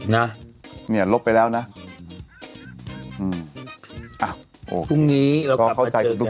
นี่ลบไปแล้วนะพรุ่งนี้เรากลับมาเจอกัน